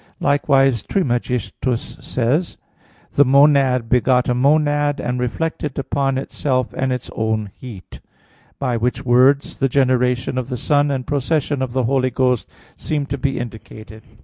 Likewise Trismegistus says: "The monad begot a monad, and reflected upon itself its own heat." By which words the generation of the Son and procession of the Holy Ghost seem to be indicated.